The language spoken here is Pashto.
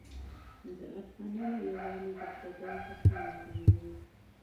د افغانانو اتحاد د پرديو هڅې ناکاموي.